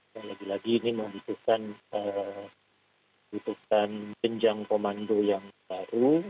dan lagi lagi ini membutuhkan jenjang komando yang baru